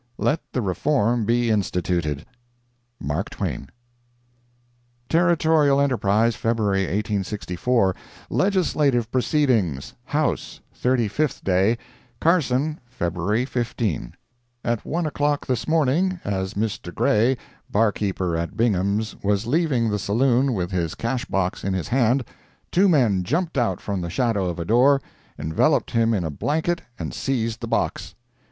Let the reform be instituted. MARK TWAIN Territorial Enterprise, February 1864 LEGISLATIVE PROCEEDINGS HOUSE—THIRTY FIFTH DAY CARSON, February 15 At one o'clock this morning, as Mr. Gray, barkeeper at Bingham's, was leaving the saloon with his cash box in his hand, two men jumped out from the shadow of a door, enveloped him in a blanket, and seized the box.